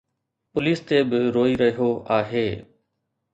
Police تي به روئي رهيو آهي.